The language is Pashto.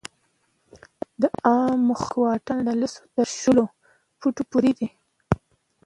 د عامو خلکو واټن له لسو تر شلو فوټو پورې دی.